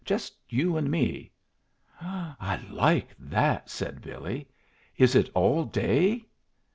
Just you and me?" "I'd like that," said Billy. "Is it all day?"